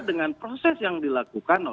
dengan proses yang dilakukan